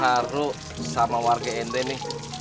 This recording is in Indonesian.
saya terharu sama warga ndi nih